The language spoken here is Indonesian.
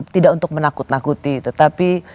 tidak untuk menakut nakuti tetapi